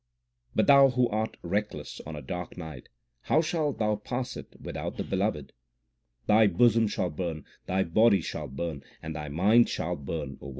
But thou who art reckless on a dark night, 3 how shalt thou pass it without the Beloved ? Thy bosom shall burn, thy body shall burn, and thy mind shall burn, O woman. L The jewel or precious one.